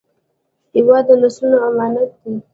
هېواد د نسلونو امانت دی